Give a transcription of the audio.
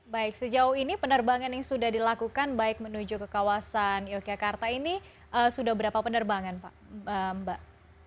baik sejauh ini penerbangan yang sudah dilakukan baik menuju ke kawasan yogyakarta ini sudah berapa penerbangan mbak